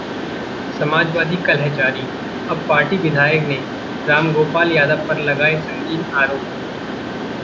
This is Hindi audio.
समाजवादी कलह जारी, अब पार्टी विधायक ने रामगोपाल यादव पर लगाए संगीन आरोप